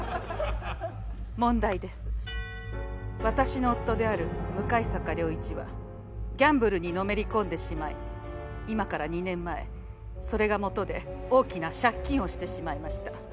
「私の夫である向坂亮一はギャンブルにのめり込んでしまい今から２年前それがもとで大きな借金をしてしまいました」。